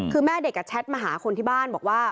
คือแม่เด็กแชทมาหาคนที่บ้านบอกว่า